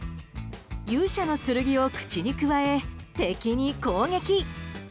勇者の剣を口にくわえ敵に攻撃。